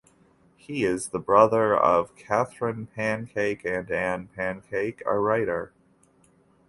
He is the brother of Catherine Pancake and Ann Pancake, a writer.